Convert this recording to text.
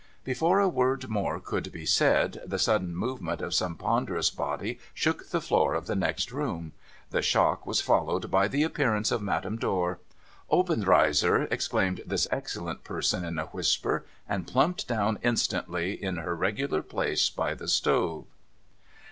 Before a word more could be said, the sudden movement of some ponderous body shook the floor of the next room. The shock was followed by the appearance of Madame Dor. ' Obenreizer !' exclaimed this excellent person in a whisper, and plumped down instantly in her regular place by the stove.